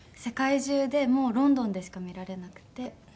世界中でもうロンドンでしか見られなくて。